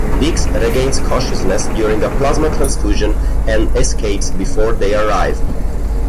Dix regains consciousness during a plasma transfusion and escapes before they arrive.